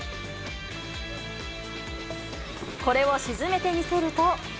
これを沈めてみせると。